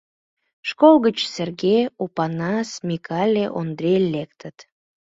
Школ гыч Серге, Опанас, Микале, Ондре лектыт.